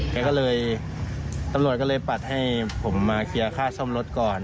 แกก็เลยตำรวจก็เลยปัดให้ผมมาเคลียร์ค่าซ่อมรถก่อน